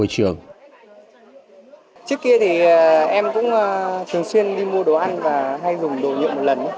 trước kia thì em cũng thường xuyên đi mua đồ ăn và hay dùng đồ nhựa một lần